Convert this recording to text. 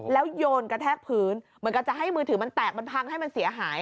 แล้วโยนกระแทกพื้นเหมือนกับจะให้มือถือมันแตกมันพังให้มันเสียหาย